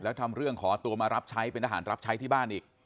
แล้วทำเรื่องขอตัวมารับใช้เป็นทหารรับใช้ที่บ้านอีก